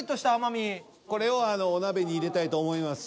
これをあのお鍋に入れたいと思いますし。